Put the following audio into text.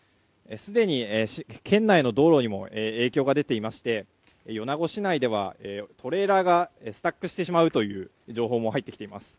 すでに県内の道路にも影響が出ていまして米子市内ではトレーラーがスタックしてしまうという情報も入ってきています。